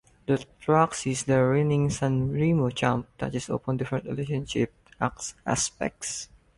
The track sees the reigning Sanremo champ touches upon different relationship aspects.